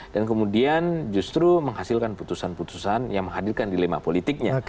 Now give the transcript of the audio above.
dan kemudian justru menghasilkan putusan putusan yang menghadirkan dilema politiknya